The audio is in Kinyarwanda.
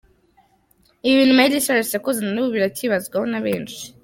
Ibi bintu Miley Cyrus yakoze nanubu birakibazwaho na benshi.